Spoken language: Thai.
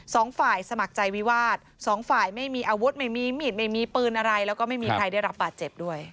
สองฝ่ายสมัครใจวิวาสสองฝ่ายไม่มีอาวุธไม่มีมีดไม่มีปืนอะไรแล้วก็ไม่มีใครได้รับบาดเจ็บด้วย